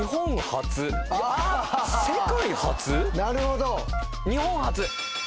なるほど。